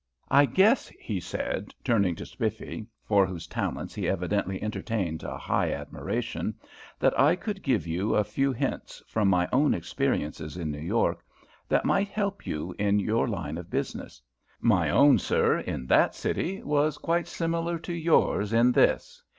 "I guess," he said, turning to Spiffy, for whose talents he evidently entertained a high admiration, "that I could give you a few hints, from my own experiences in New York, that might help you in your line of business. My own, sir, in that city, was quite similar to yours in this.